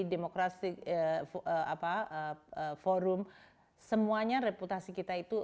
demokrasi forum semuanya reputasi kita itu